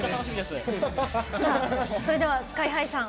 それではＳＫＹ‐ＨＩさん